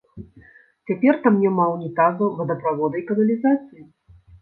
Цяпер там няма ўнітазаў, водаправода і каналізацыі.